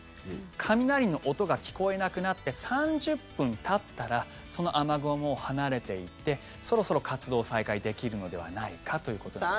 雷の音が聞こえなくなって３０分たったらその雨雲はもう離れていてそろそろ活動再開できるのではないかということです。